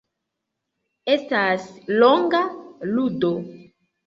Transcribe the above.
Estas longa ludo.